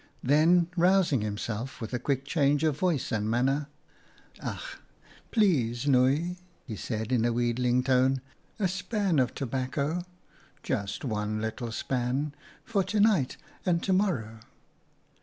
Then, rousing himself, with a quick change of voice and manner, " Ach! please, Nooi !" he said in a wheedling tone, " a span of tobacco — just one little span for to night and to morrow."